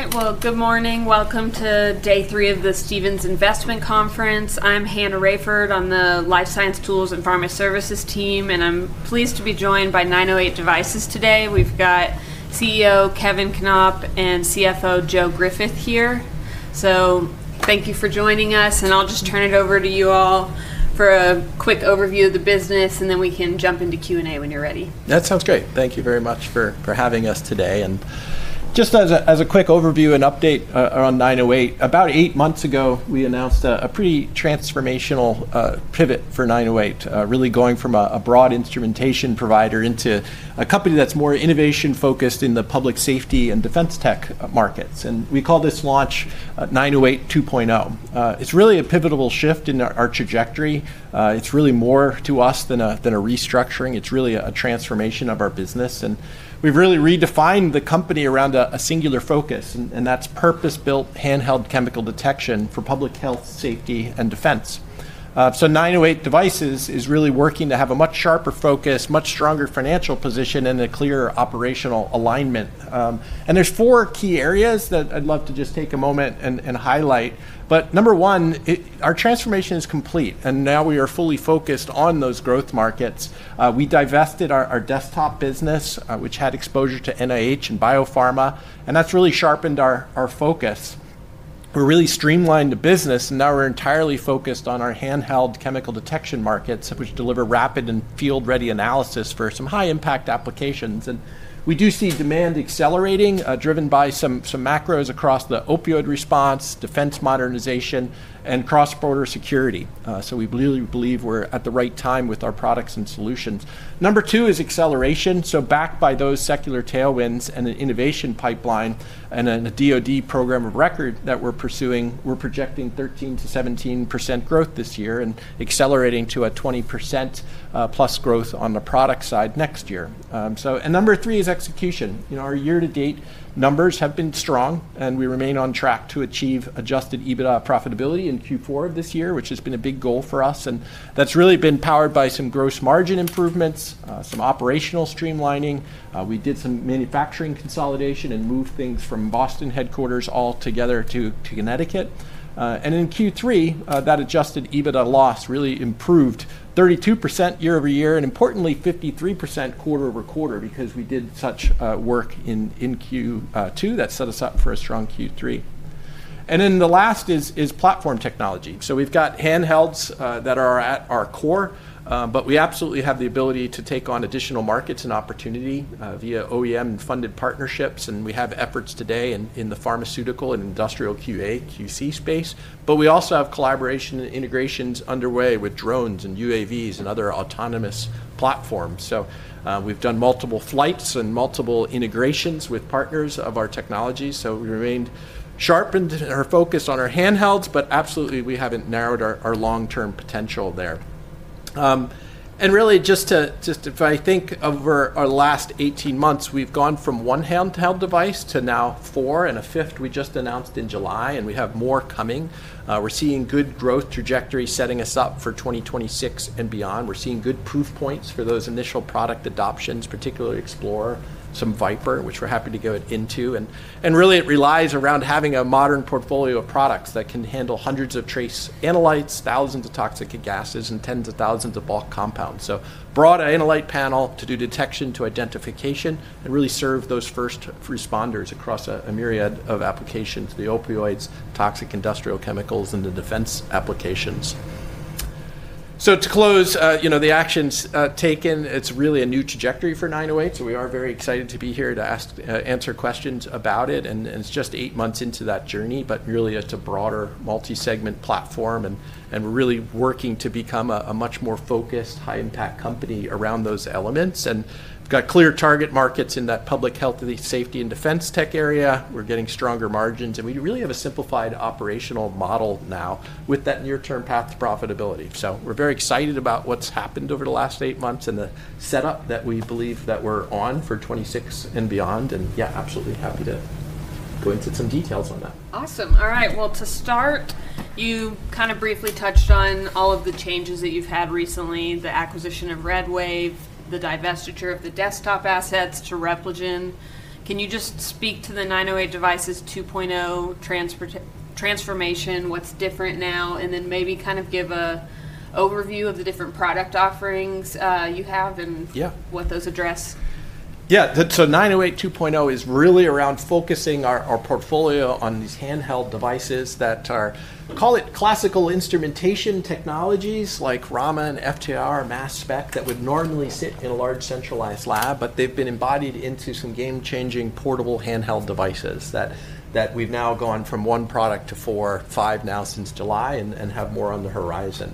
All right. Good morning. Welcome to day three of the Stevens Investment Conference. I'm Hannah Rayford. I'm the Life Science Tools and Pharma Services team, and I'm pleased to be joined by 908 Devices today. We've got CEO Kevin Knopp and CFO Joe Griffith here. Thank you for joining us. I'll just turn it over to you all for a quick overview of the business, and then we can jump into Q&A when you're ready. That sounds great. Thank you very much for having us today. Just as a quick overview and update on 908, about eight months ago, we announced a pretty transformational pivot for 908, really going from a broad instrumentation provider into a company that's more innovation-focused in the public safety and defense tech markets. We call this launch 908 2.0. It's really a pivotal shift in our trajectory. It's really more to us than a restructuring. It's really a transformation of our business. We've really redefined the company around a singular focus, and that's purpose-built, handheld chemical detection for public health, safety, and defense. 908 Devices is really working to have a much sharper focus, much stronger financial position, and a clearer operational alignment. There are four key areas that I'd love to just take a moment and highlight. Number one, our transformation is complete, and now we are fully focused on those growth markets. We divested our desktop business, which had exposure to NIH and biopharma, and that has really sharpened our focus. We have really streamlined the business, and now we are entirely focused on our handheld chemical detection markets, which deliver rapid and field-ready analysis for some high-impact applications. We do see demand accelerating, driven by some macros across the opioid response, defense modernization, and cross-border security. We really believe we are at the right time with our products and solutions. Number two is acceleration. Backed by those secular tailwinds and an innovation pipeline and a DOD program of record that we are pursuing, we are projecting 13%-17% growth this year and accelerating to a 20% plus growth on the product side next year. Number three is execution. Our year-to-date numbers have been strong, and we remain on track to achieve adjusted EBITDA profitability in Q4 of this year, which has been a big goal for us. That's really been powered by some gross margin improvements, some operational streamlining. We did some manufacturing consolidation and moved things from Boston headquarters all together to Connecticut. In Q3, that adjusted EBITDA loss really improved 32% year over year and, importantly, 53% quarter over quarter because we did such work in Q2 that set us up for a strong Q3. The last is platform technology. We've got handhelds that are at our core, but we absolutely have the ability to take on additional markets and opportunity via OEM-funded partnerships. We have efforts today in the pharmaceutical and industrial QA, QC space. We also have collaboration and integrations underway with drones and UAVs and other autonomous platforms. We have done multiple flights and multiple integrations with partners of our technology. We remained sharpened or focused on our handhelds, but absolutely, we have not narrowed our long-term potential there. Really, just if I think over our last 18 months, we have gone from one handheld device to now four, and a fifth we just announced in July, and we have more coming. We are seeing good growth trajectory setting us up for 2026 and beyond. We are seeing good proof points for those initial product adoptions, particularly Explorer, some Viper, which we are happy to go into. Really, it relies around having a modern portfolio of products that can handle hundreds of trace analytes, thousands of toxic gases, and tens of thousands of bulk compounds. Broad analytes panel to do detection to identification and really serve those first responders across a myriad of applications: the opioids, toxic industrial chemicals, and the defense applications. To close the actions taken, it's really a new trajectory for 908 Devices. We are very excited to be here to answer questions about it. It's just eight months into that journey, but really, it's a broader multi-segment platform, and we're really working to become a much more focused, high-impact company around those elements. We've got clear target markets in that public health, safety, and defense tech area. We're getting stronger margins, and we really have a simplified operational model now with that near-term path to profitability. We are very excited about what's happened over the last eight months and the setup that we believe that we're on for 2026 and beyond. Yeah, absolutely happy to go into some details on that. Awesome. All right. To start, you kind of briefly touched on all of the changes that you've had recently: the acquisition of Red Wave, the divestiture of the desktop assets to Repligen. Can you just speak to the 908 Devices 2.0 transformation, what's different now, and then maybe kind of give an overview of the different product offerings you have and what those address? Yeah. 908 2.0 is really around focusing our portfolio on these handheld devices that are, call it classical instrumentation technologies like Raman and FTIR, mass spec, that would normally sit in a large centralized lab, but they've been embodied into some game-changing portable handheld devices that we've now gone from one product to four, five now since July and have more on the horizon.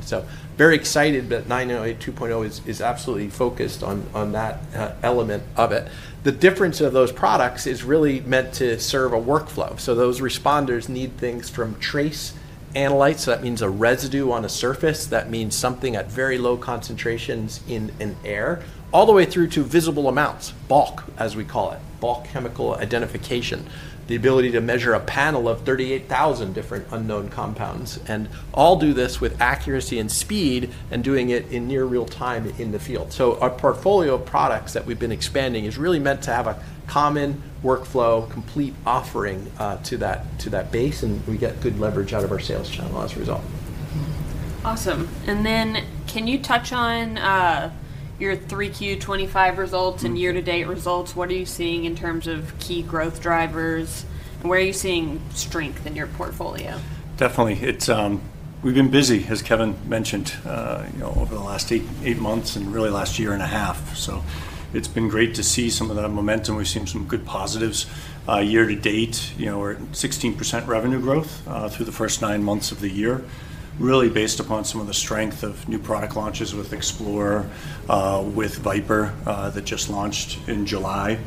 Very excited that 908 2.0 is absolutely focused on that element of it. The difference of those products is really meant to serve a workflow. Those responders need things from trace analytes, so that means a residue on a surface, that means something at very low concentrations in air, all the way through to visible amounts, bulk, as we call it, bulk chemical identification, the ability to measure a panel of 38,000 different unknown compounds, and all do this with accuracy and speed and doing it in near real time in the field. Our portfolio of products that we've been expanding is really meant to have a common workflow, complete offering to that base, and we get good leverage out of our sales channel as a result. Awesome. Can you touch on your 3Q25 results and year-to-date results? What are you seeing in terms of key growth drivers? Where are you seeing strength in your portfolio? Definitely. We've been busy, as Kevin mentioned, over the last eight months and really last year and a half. It's been great to see some of that momentum. We've seen some good positives. Year-to-date, we're at 16% revenue growth through the first nine months of the year, really based upon some of the strength of new product launches with Explorer, with Viper that just launched in July.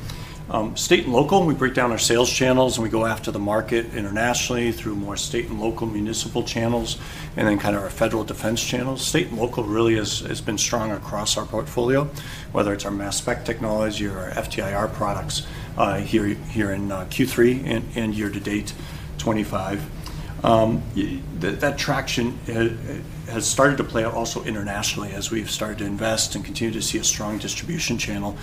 State and local, we break down our sales channels, and we go after the market internationally through more state and local municipal channels, and then kind of our federal defense channels. State and local really has been strong across our portfolio, whether it's our mass spec technology or our FTIR products here in Q3 and year-to-date 2025. That traction has started to play out also internationally as we've started to invest and continue to see a strong distribution channel.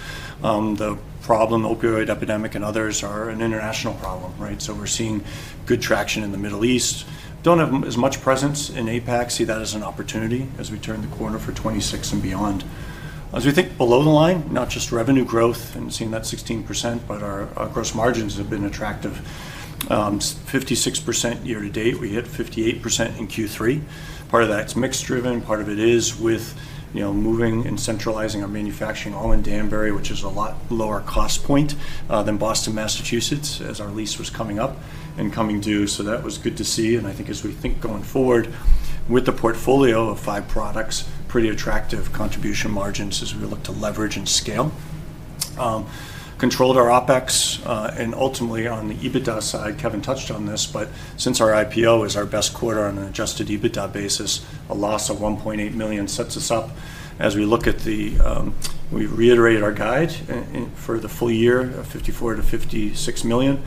The problem, opioid epidemic and others, are an international problem, right? We are seeing good traction in the Middle East. Do not have as much presence in APAC. See that as an opportunity as we turn the corner for 2026 and beyond. As we think below the line, not just revenue growth and seeing that 16%, but our gross margins have been attractive. 56% year-to-date, we hit 58% in Q3. Part of that is mixed-driven. Part of it is with moving and centralizing our manufacturing all in Danbury, which is a lot lower cost point than Boston, Massachusetts, as our lease was coming up and coming due. That was good to see. I think as we think going forward with the portfolio of five products, pretty attractive contribution margins as we look to leverage and scale. Controlled our OpEx, and ultimately on the EBITDA side, Kevin touched on this, but since our IPO is our best quarter on an adjusted EBITDA basis, a loss of $1.8 million sets us up. As we look at the we reiterated our guide for the full year, $54 million-$56 million.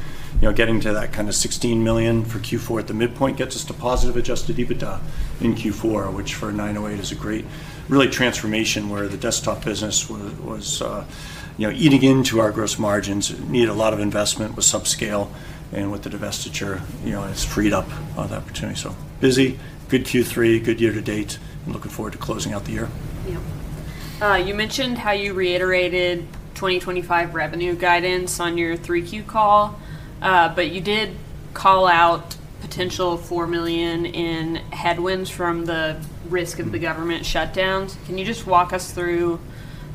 Getting to that kind of $16 million for Q4 at the midpoint gets us to positive adjusted EBITDA in Q4, which for 908 Devices is a great really transformation where the desktop business was eating into our gross margins, needed a lot of investment with subscale, and with the divestiture, it's freed up the opportunity. Busy, good Q3, good year-to-date, and looking forward to closing out the year. Yeah. You mentioned how you reiterated 2025 revenue guidance on your 3Q call, but you did call out potential $4 million in headwinds from the risk of the government shutdowns. Can you just walk us through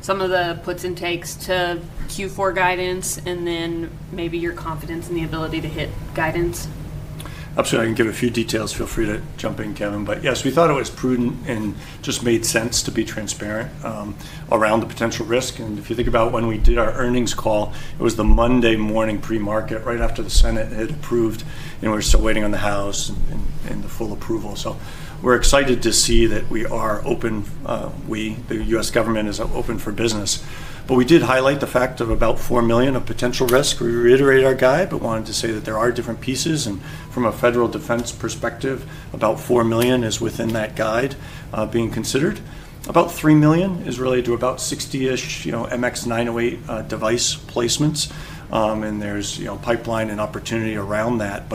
some of the puts and takes to Q4 guidance and then maybe your confidence in the ability to hit guidance? Absolutely. I can give a few details. Feel free to jump in, Kevin. Yes, we thought it was prudent and just made sense to be transparent around the potential risk. If you think about when we did our earnings call, it was the Monday morning pre-market right after the Senate had approved, and we were still waiting on the House and the full approval. We are excited to see that we are open. The U.S. government is open for business. We did highlight the fact of about $4 million of potential risk. We reiterated our guide, but wanted to say that there are different pieces. From a federal defense perspective, about $4 million is within that guide being considered. About $3 million is really to about 60-ish MX908 device placements, and there is pipeline and opportunity around that.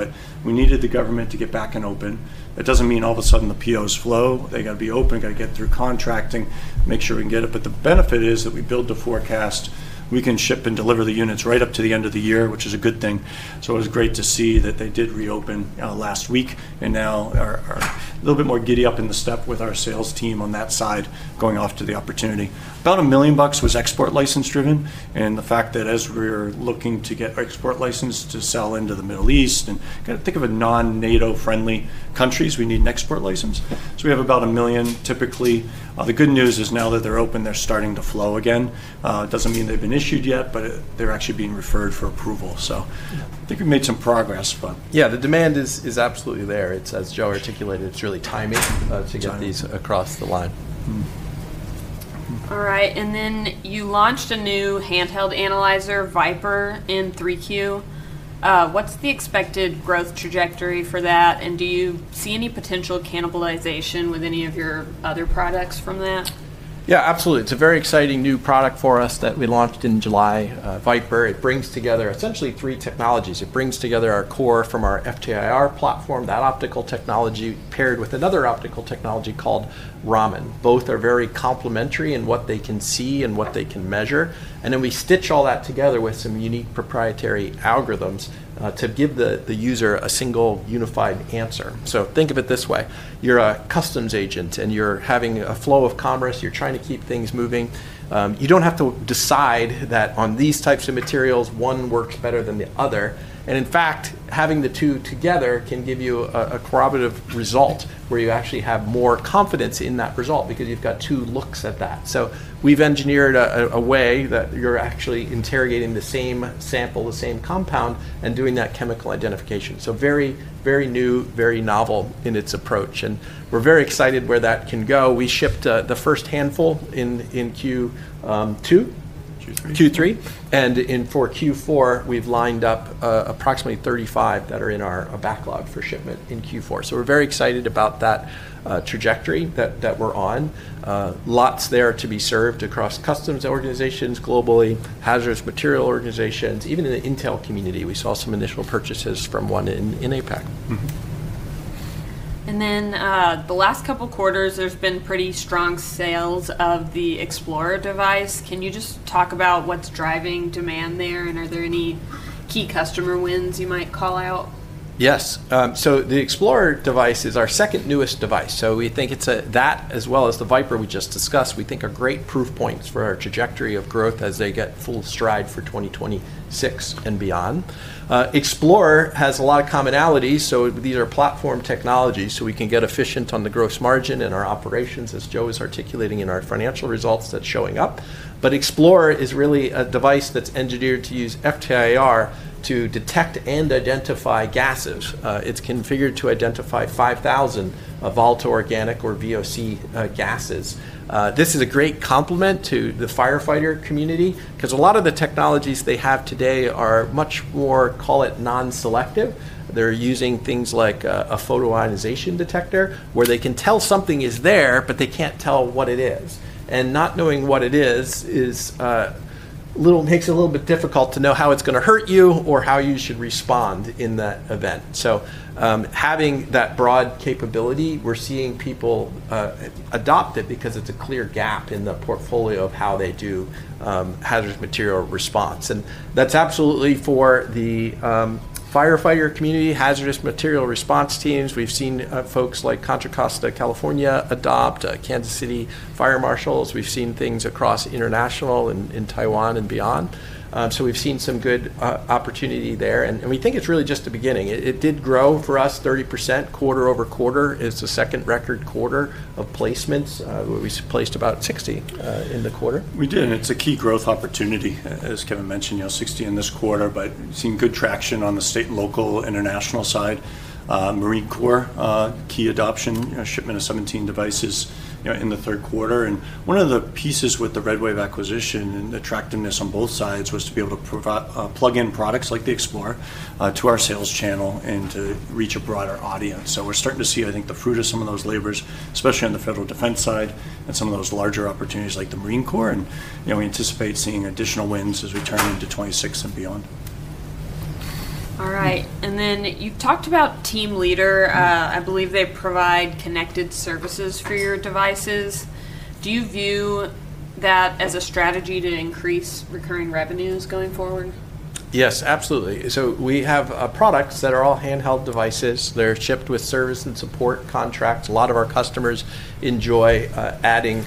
We needed the government to get back and open. That doesn't mean all of a sudden the POs flow. They got to be open, got to get through contracting, make sure we can get it. The benefit is that we build the forecast. We can ship and deliver the units right up to the end of the year, which is a good thing. It was great to see that they did reopen last week, and now are a little bit more giddy up in the step with our sales team on that side going off to the opportunity. About $1 million was export license-driven, and the fact that as we're looking to get export license to sell into the Middle East and kind of think of a non-NATO-friendly countries, we need an export license. We have about $1 million. Typically, the good news is now that they're open, they're starting to flow again. It doesn't mean they've been issued yet, but they're actually being referred for approval. I think we've made some progress. Yeah, the demand is absolutely there. As Joe articulated, it's really timing to get these across the line. All right. You launched a new handheld analyzer, Viper, in 3Q. What's the expected growth trajectory for that? Do you see any potential cannibalization with any of your other products from that? Yeah, absolutely. It's a very exciting new product for us that we launched in July, Viper. It brings together essentially three technologies. It brings together our core from our FTIR platform, that optical technology paired with another optical technology called Raman. Both are very complementary in what they can see and what they can measure. We stitch all that together with some unique proprietary algorithms to give the user a single unified answer. Think of it this way. You're a customs agent, and you're having a flow of commerce. You're trying to keep things moving. You don't have to decide that on these types of materials, one works better than the other. In fact, having the two together can give you a corroborative result where you actually have more confidence in that result because you've got two looks at that. We've engineered a way that you're actually interrogating the same sample, the same compound, and doing that chemical identification. Very new, very novel in its approach. We're very excited where that can go. We shipped the first handful in Q2. Q3. Q3. For Q4, we've lined up approximately 35 that are in our backlog for shipment in Q4. We are very excited about that trajectory that we're on. Lots there to be served across customs organizations globally, hazardous material organizations, even in the intel community. We saw some initial purchases from one in APAC. The last couple of quarters, there's been pretty strong sales of the Explorer device. Can you just talk about what's driving demand there, and are there any key customer wins you might call out? Yes. The Explorer device is our second newest device. We think that as well as the Viper we just discussed, we think are great proof points for our trajectory of growth as they get full stride for 2026 and beyond. Explorer has a lot of commonalities. These are platform technologies. We can get efficient on the gross margin in our operations, as Joe was articulating in our financial results that's showing up. Explorer is really a device that's engineered to use FTIR to detect and identify gases. It's configured to identify 5,000 volatile organic or VOC gases. This is a great complement to the firefighter community because a lot of the technologies they have today are much more, call it non-selective. They're using things like a photo-ionization detector where they can tell something is there, but they can't tell what it is. Not knowing what it is makes it a little bit difficult to know how it's going to hurt you or how you should respond in that event. Having that broad capability, we're seeing people adopt it because it's a clear gap in the portfolio of how they do hazardous material response. That's absolutely for the firefighter community, hazardous material response teams. We've seen folks like Contra Costa, California adopt, Kansas City fire marshals. We've seen things across international in Taiwan and beyond. We've seen some good opportunity there. We think it's really just the beginning. It did grow for us 30% quarter over quarter. It's the second record quarter of placements. We placed about 60 in the quarter. We did. It is a key growth opportunity, as Kevin mentioned, 60 in this quarter, but seeing good traction on the state and local international side. Marine Corps, key adoption, shipment of 17 devices in the third quarter. One of the pieces with the Red Wave acquisition and attractiveness on both sides was to be able to plug in products like the Explorer to our sales channel and to reach a broader audience. We are starting to see, I think, the fruit of some of those labors, especially on the federal defense side and some of those larger opportunities like the Marine Corps. We anticipate seeing additional wins as we turn into 2026 and beyond. All right. You have talked about Team Leader. I believe they provide connected services for your devices. Do you view that as a strategy to increase recurring revenues going forward? Yes, absolutely. We have products that are all handheld devices. They're shipped with service and support contracts. A lot of our customers enjoy adding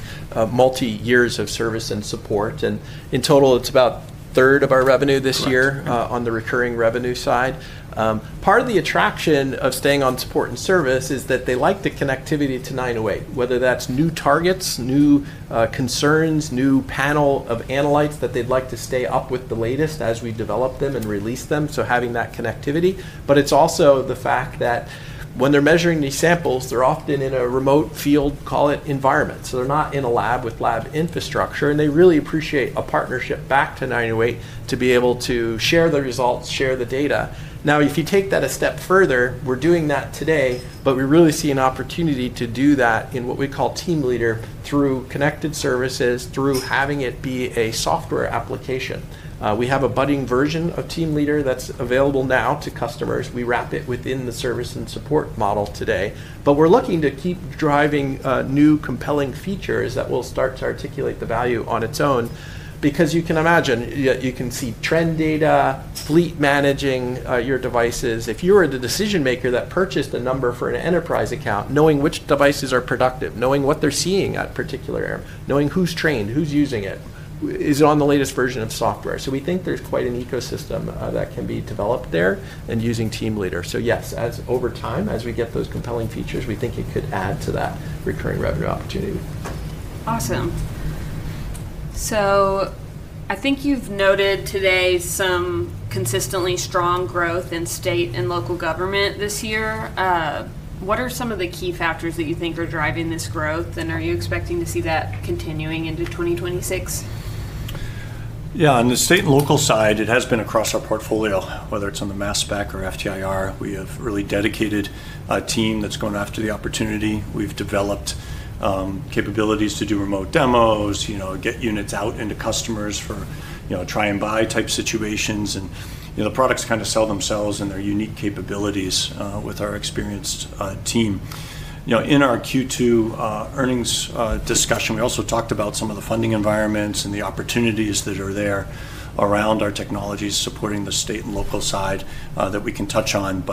multi-years of service and support. In total, it's about a third of our revenue this year on the recurring revenue side. Part of the attraction of staying on support and service is that they like the connectivity to 908, whether that's new targets, new concerns, new panel of analytes that they'd like to stay up with the latest as we develop them and release them. Having that connectivity is important. It's also the fact that when they're measuring these samples, they're often in a remote field, call it environment. They're not in a lab with lab infrastructure. They really appreciate a partnership back to 908 to be able to share the results, share the data. Now, if you take that a step further, we're doing that today, but we really see an opportunity to do that in what we call Team Leader through connected services, through having it be a software application. We have a budding version of Team Leader that's available now to customers. We wrap it within the service and support model today. We are looking to keep driving new compelling features that will start to articulate the value on its own because you can imagine, you can see trend data, fleet managing your devices. If you were the decision maker that purchased a number for an enterprise account, knowing which devices are productive, knowing what they're seeing at a particular area, knowing who's trained, who's using it, is it on the latest version of software. We think there's quite an ecosystem that can be developed there and using Team Leader. Yes, over time, as we get those compelling features, we think it could add to that recurring revenue opportunity. Awesome. I think you've noted today some consistently strong growth in state and local government this year. What are some of the key factors that you think are driving this growth, and are you expecting to see that continuing into 2026? Yeah. On the state and local side, it has been across our portfolio, whether it's on the MASSPAC or FTIR. We have really dedicated a team that's going after the opportunity. We've developed capabilities to do remote demos, get units out into customers for try-and-buy type situations. The products kind of sell themselves and their unique capabilities with our experienced team. In our Q2 earnings discussion, we also talked about some of the funding environments and the opportunities that are there around our technologies supporting the state and local side that we can touch on.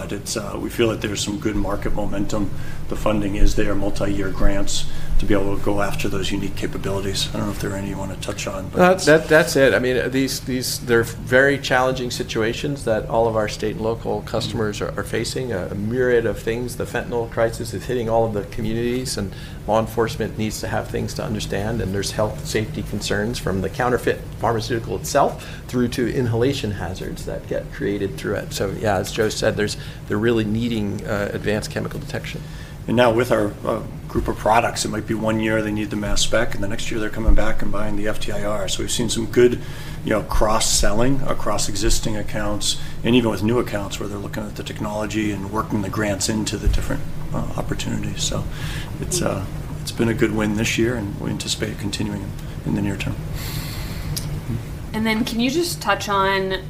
We feel that there's some good market momentum. The funding is there, multi-year grants to be able to go after those unique capabilities. I don't know if there are any you want to touch on. That's it. I mean, they're very challenging situations that all of our state and local customers are facing, a myriad of things. The fentanyl crisis is hitting all of the communities, and law enforcement needs to have things to understand. There's health safety concerns from the counterfeit pharmaceutical itself through to inhalation hazards that get created through it. Yeah, as Joe said, they're really needing advanced chemical detection. With our group of products, it might be one year they need the MASSPAC, and the next year they're coming back and buying the FTIR. We have seen some good cross-selling across existing accounts and even with new accounts where they're looking at the technology and working the grants into the different opportunities. It has been a good win this year, and we anticipate continuing in the near term. Can you just touch on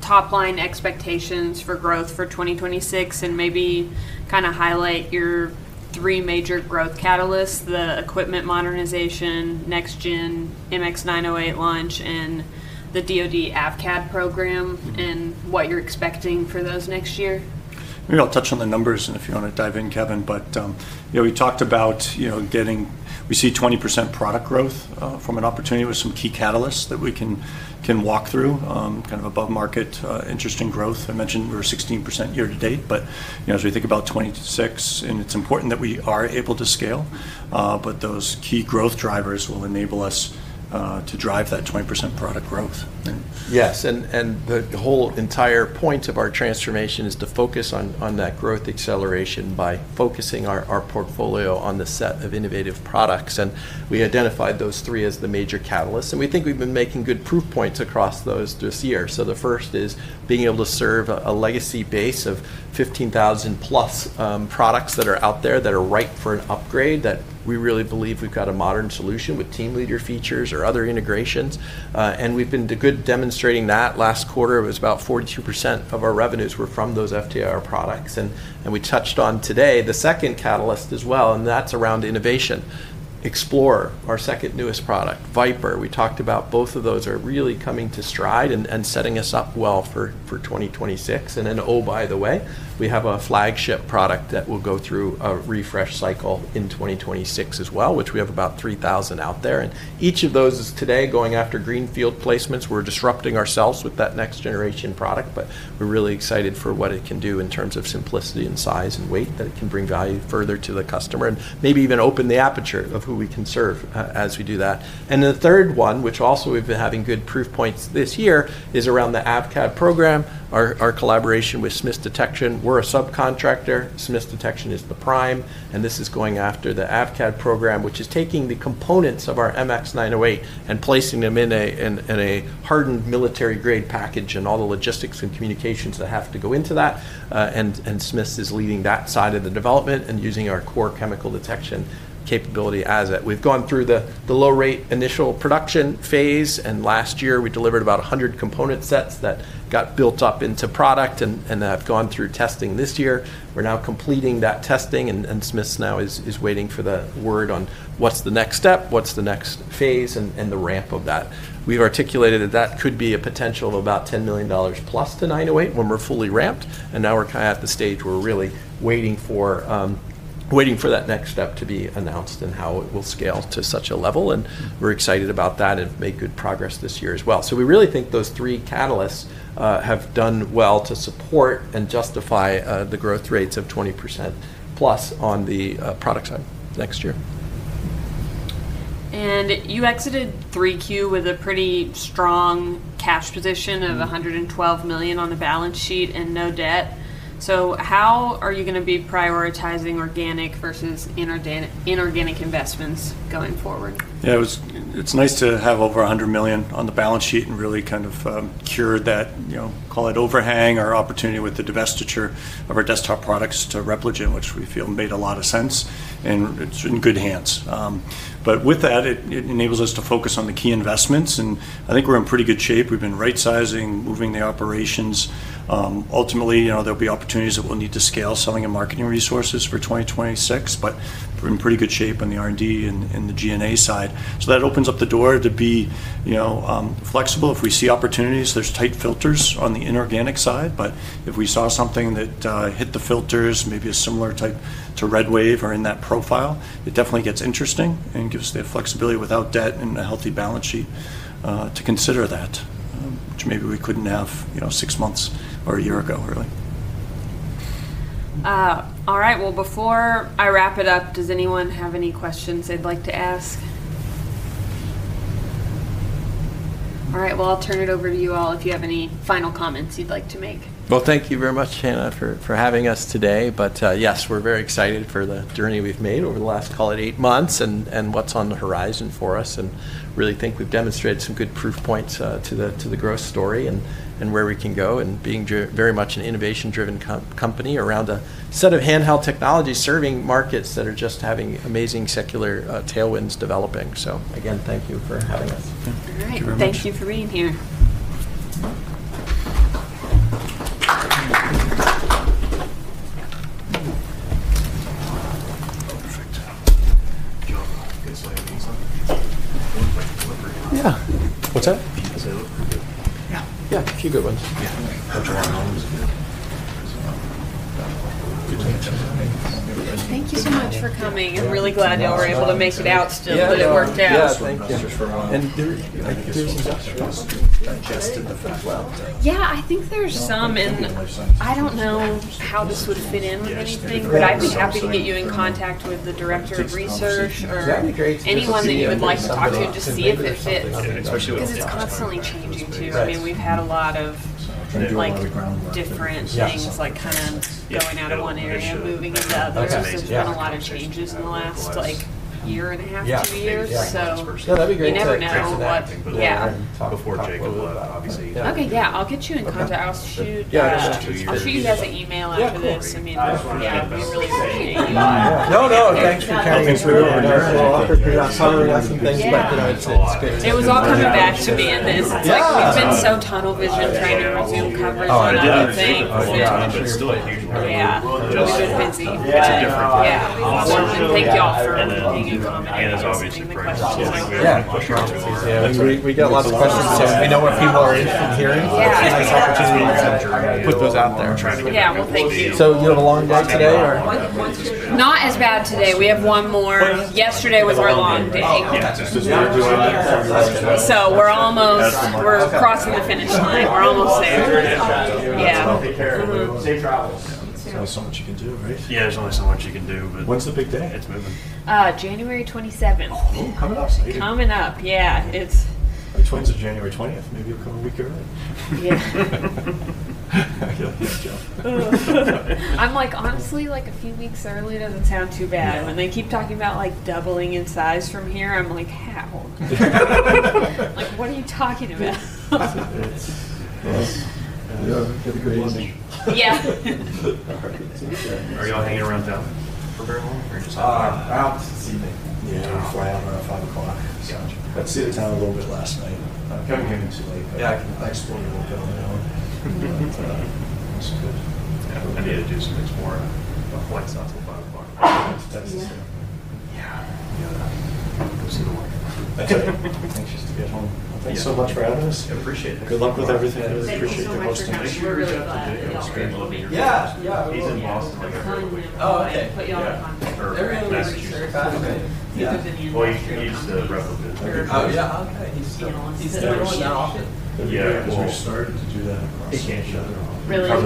top-line expectations for growth for 2026 and maybe kind of highlight your three major growth catalysts, the equipment modernization, NextGen MX908 launch, and the DOD AFCAD program, and what you're expecting for those next year? Maybe I'll touch on the numbers if you want to dive in, Kevin. We talked about getting, we see 20% product growth from an opportunity with some key catalysts that we can walk through, kind of above-market interesting growth. I mentioned we're 16% year to date, but as we think about 2026, and it's important that we are able to scale. Those key growth drivers will enable us to drive that 20% product growth. Yes. The whole entire point of our transformation is to focus on that growth acceleration by focusing our portfolio on the set of innovative products. We identified those three as the major catalysts. We think we've been making good proof points across those this year. The first is being able to serve a legacy base of 15,000-plus products that are out there that are ripe for an upgrade, that we really believe we've got a modern solution with Team Leader features or other integrations. We've been good demonstrating that. Last quarter, it was about 42% of our revenues were from those FTIR products. We touched on today the second catalyst as well, and that's around innovation. Explorer, our second newest product, Viper. We talked about both of those are really coming to stride and setting us up well for 2026. By the way, we have a flagship product that will go through a refresh cycle in 2026 as well, which we have about 3,000 out there. Each of those is today going after greenfield placements. We're disrupting ourselves with that next-generation product, but we're really excited for what it can do in terms of simplicity and size and weight that it can bring value further to the customer and maybe even open the aperture of who we can serve as we do that. The third one, which also we've been having good proof points this year, is around the AFCAD program, our collaboration with Smith's Detection. We're a subcontractor. Smith's Detection is the prime, and this is going after the AFCAD program, which is taking the components of our MX908 and placing them in a hardened military-grade package and all the logistics and communications that have to go into that. Smith's is leading that side of the development and using our core chemical detection capability as it. We've gone through the low-rate initial production phase, and last year, we delivered about 100 component sets that got built up into product and have gone through testing this year. We're now completing that testing, and Smith's now is waiting for the word on what's the next step, what's the next phase, and the ramp of that. We've articulated that that could be a potential of about $10 million plus to 908 when we're fully ramped. We're kind of at the stage where we're really waiting for that next step to be announced and how it will scale to such a level. We're excited about that and made good progress this year as well. We really think those three catalysts have done well to support and justify the growth rates of 20% plus on the product side next year. You exited 3Q with a pretty strong cash position of $112 million on the balance sheet and no debt. How are you going to be prioritizing organic versus inorganic investments going forward? Yeah. It's nice to have over $100 million on the balance sheet and really kind of cure that, call it overhang or opportunity with the divestiture of our desktop products to Repligen, which we feel made a lot of sense, and it's in good hands. With that, it enables us to focus on the key investments. I think we're in pretty good shape. We've been right-sizing, moving the operations. Ultimately, there'll be opportunities that we'll need to scale selling and marketing resources for 2026, but we're in pretty good shape on the R&D and the G&A side. That opens up the door to be flexible if we see opportunities. There's tight filters on the inorganic side, but if we saw something that hit the filters, maybe a similar type to RedWave or in that profile, it definitely gets interesting and gives the flexibility without debt and a healthy balance sheet to consider that, which maybe we couldn't have six months or a year ago, really. All right. Before I wrap it up, does anyone have any questions they'd like to ask? All right. I'll turn it over to you all if you have any final comments you'd like to make. Thank you very much, Shannon, for having us today. Yes, we're very excited for the journey we've made over the last, call it, eight months and what's on the horizon for us. I really think we've demonstrated some good proof points to the growth story and where we can go and being very much an innovation-driven company around a set of handheld technologies serving markets that are just having amazing secular tailwinds developing. Again, thank you for having us. All right. Thank you for being here. Perfect. Yeah. What's that? Yeah. Yeah. A few good ones. Thank you so much for coming. I'm really glad we were able to make it out still, but it worked out. Yeah. Thank you. There's some stuff that was digested as well. Yeah. I think there's some. I don't know how this would fit in with anything, but I'd be happy to get you in contact with the director of research or anyone that you would like to talk to and just see if it fits because it's constantly changing too. I mean, we've had a lot of different things, like kind of going out of one area, moving into others. There's been a lot of changes in the last year and a half, two years. You never know what. Yeah. Okay. Yeah. I'll get you in contact. I'll shoot you guys an email after this. I mean, yeah, I really appreciate you. No, no. Thanks for coming through over here. I'll offer to talk about some things, but it's good. It was all coming back to me in this. It's like we've been so tunnel vision trying to resume coverage. Oh, I didn't think. Yeah. It's busy. It's a different thing. Yeah. Awesome. Thank you all for being accommodating. Yeah. We got lots of questions. We know what people are interested in hearing. It's a nice opportunity to put those out there. Yeah. Thank you. Do you have a long day today or? Not as bad today. We have one more. Yesterday was our long day. We are almost crossing the finish line. We are almost there. Yeah. There's only so much you can do, right? Yeah. There's only so much you can do. When's the big day? It's moving. January 27th. Oh, coming up. Coming up. Yeah. By the 20th of January 20th, maybe you'll come a week early. Yeah. I'm like, honestly, a few weeks early doesn't sound too bad. When they keep talking about doubling in size from here, I'm like, how? What are you talking about? Yeah. Have a great evening. Yeah. Are you all hanging around town for very long or just? Out this evening. Yeah. Before I have around 5:00 o'clock. I got to see the town a little bit last night. Kevin came in too late, but I explored a little bit on my own. It was good. I needed to do some things more. Flight's out till 5 o'clock. That's the same. Yeah. Yeah. Go see the market. That's it. Anxious to be at home. Thanks so much for having us. Appreciate it. Good luck with everything. I appreciate the hosting. Thank you for reaching out to Dave. Yeah. He's in Boston like every other week. Oh, okay. Every other week. Every other week. He's the replicant. Oh, yeah. He's going to be going out often. Yeah. We're starting to do that across covering the Yoko Toyota joint. Actually, we're going to see this three times joint events. Yeah. I haven't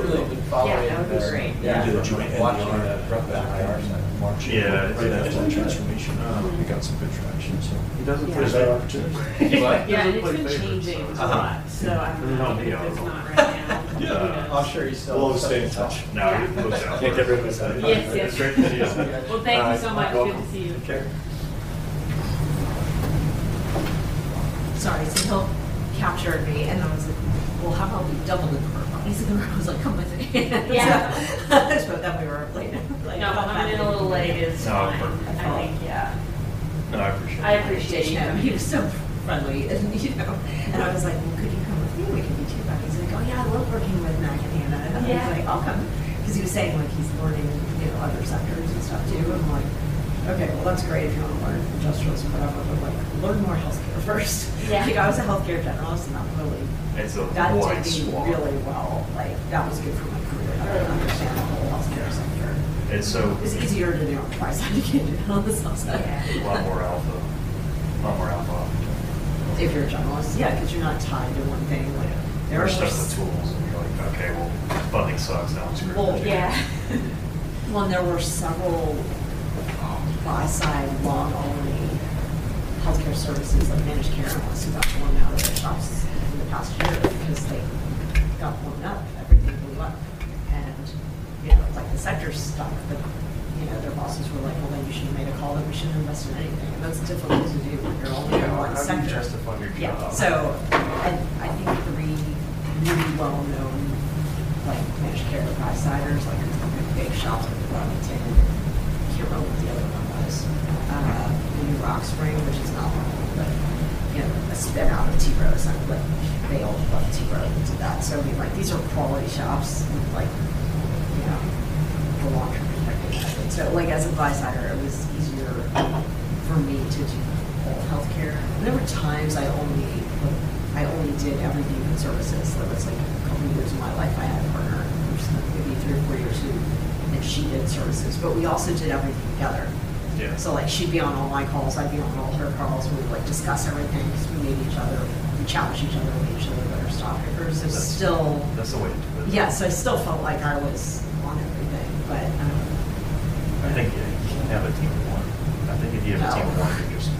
really been following the joint and back there in March. Yeah. We're going to have to do a transformation. We got some good traction, so. He doesn't play his opportunities. Yeah. It's been changing a lot, so I'm really hoping it's not right now. Yeah. I'll show you still. We'll stay in touch. No. Thank you. It's great to see you. Thank you so much. Good to see you. Take care. Sorry. He'll capture me. I was like, "How about we double the car?" He's like, "Oh," I was like, "Come with it." Yeah. Then we were like, "No, I'm going to get a little late. No. I think, yeah. I appreciate it. I appreciate him. He was so friendly. I was like, "Could you come with me? We can meet you back." He's like, "Oh, yeah. I love working with Mac and Hannah." I was like, "I'll come." He was saying he's learning other sectors and stuff too. I'm like, "Okay. That's great if you want to learn industrials, whatever, but learn more healthcare first." I was a healthcare generalist, and that really got to me really well. That was good for my career. I didn't understand the whole healthcare sector. It's easier to do on the price-aggregated health sector. A lot more alpha. A lot more alpha on the. If you're a generalist. Yeah. Because you're not tied to one thing. There are just. Especially with tools. You're like, "Okay. Well, funding sucks. Now it's great. Yeah. There were several buy-side long-only healthcare services like managed care analysts who got worn out of their shops in the past year because they got blown up. Everything blew up. The sector stuck, but their bosses were like, "Well, then you should have made a call that we shouldn't invest in anything." That's difficult to do when you're only in one sector. You have to justify your job. Yeah. I think three really well-known managed care price-siders, like a big shop in the 10-year-old, the other one was in New Rock Spring, which is not long, but a spin out of T Rows. They all love T Rows. These are quality shops with a long-term perspective. As a price-sider, it was easier for me to do whole healthcare. There were times I only did everything with services. There were a couple of years of my life I had a partner, maybe three or four years who, and she did services. We also did everything together. She would be on all my calls. I would be on all her calls. We would discuss everything because we challenged each other and made each other better stockpickers. Still. That's the way to do it. Yeah. I still felt like I was on everything. I think you can't have a team of one. I think if you have a team of one, you're just.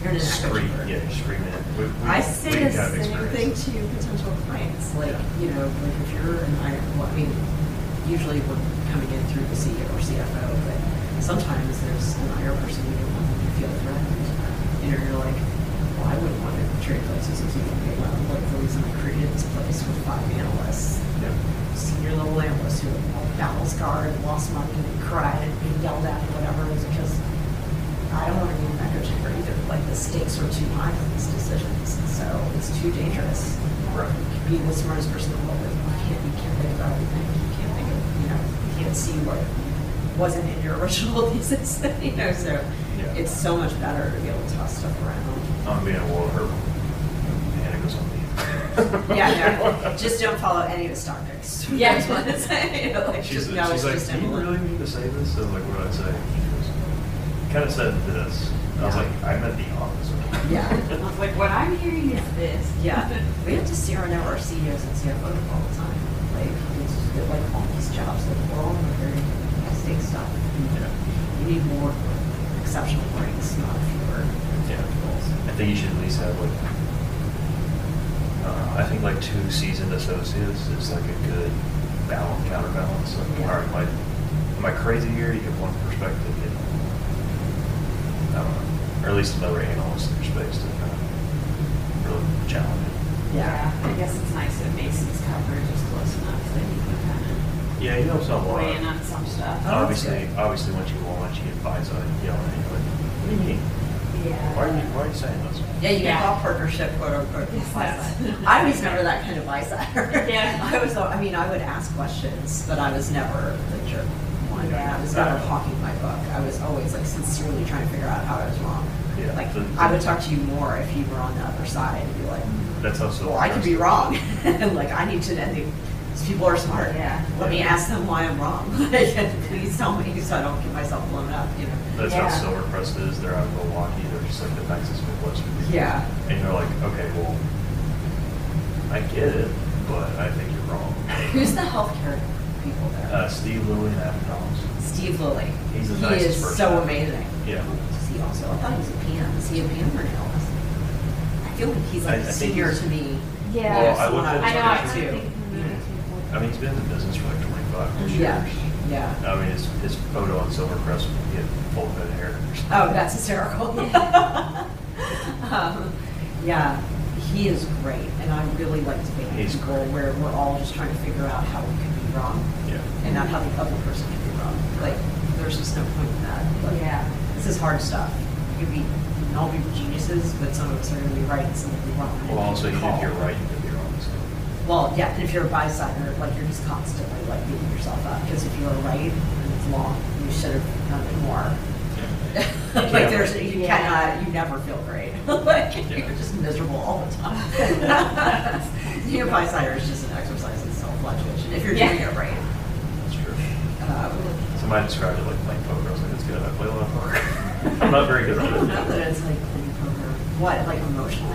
You're an experiment. Yeah, you're screaming. I say the same thing to potential clients. If you're an IR, I mean, usually we're coming in through the CEO or CFO, but sometimes there's an IR person you don't want to feel threatened. You're like, "Well, I wouldn't want to trade places as easily." The reason I created this place was five analysts, senior-level analysts who have all battles guard and lost money and cried and being yelled at and whatever is because I don't want to be in that good shape either. The stakes are too high for these decisions. It is too dangerous. You can be the smartest person in the world, but you can't think about everything. You can't think of you can't see what wasn't in your original thesis. It is so much better to be able to toss stuff around. I'm being a walker. Hannah goes on the. Yeah. Yeah. Just don't follow any of the stock picks. That's what I'm saying. She's like, "Do you really mean to say this?" And I'm like, "What did I say?" Kind of said this. I was like, "I'm at the office. Yeah. I was like, "What I'm hearing is this." Yeah. We have to CRN our CEOs and CFOs all the time. All these jobs that we're all in are very high-stakes stuff. You need more exceptional brains, not fewer. Yeah. I think you should at least have, I don't know, I think two seasoned associates is a good counterbalance. Am I crazy here? You get one perspective. I don't know. Or at least another analyst in your space to kind of really challenge it. Yeah. I guess it's nice if Mason's coverage is close enough that you can kind of. Yeah. You help someone out. Weigh in on some stuff. Obviously, once you launch, you get buy-side. You yell at anybody. What do you mean? Why are you saying this? Yeah. You get a partnership, quote-unquote. I was never that kind of buy-sider. I mean, I would ask questions, but I was never the jerk one. I was never honking my buck. I was always sincerely trying to figure out how I was wrong. I would talk to you more if you were on the other side and be like, "Well, I could be wrong." I need to, I think, because people are smart. Let me ask them why I'm wrong. Please tell me so I don't get myself blown up. That's how Silvercrest is. They're out in Milwaukee. They're just like the Texas Midwest. You're like, "Okay. I get it, but I think you're wrong. Who's the healthcare people there? Steve Lilly and Adam Thomas. Steve Lilly. He's a nice person. He is so amazing. Yeah. He's also—I thought he was a PM. Is he a PM or an analyst? I feel like he's like a senior to me. Yeah. I know him too. I think communicate with him. I mean, he's been in the business for like 25 years. I mean, his photo on Silvercrest will be a full-head hair. Oh, that's hysterical. Yeah. He is great. And I really like to think of people where we're all just trying to figure out how we could be wrong and not how the other person could be wrong. There's just no point in that. This is hard stuff. You'll be—and I'll be geniuses, but some of us are going to be right and some of us will be wrong. You have your right to be wrong. If you're a buy-sider, you're just constantly beating yourself up. Because if you are right and it's wrong, you should have done it more. You never feel great. You're just miserable all the time. Your buy-sider is just an exercise in self-flagellation. If you're doing it right. That's true. Mine described it like playing poker. I was like, "That's good. I play a lot of poker." I'm not very good at it. It's like playing poker. What? Emotional.